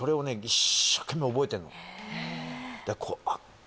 一生懸命覚えてんの・へえいや